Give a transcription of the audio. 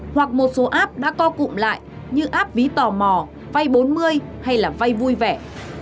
hoặc một số app đã co cụm lại như áp ví tò mò vay bốn mươi hay là vay vui vẻ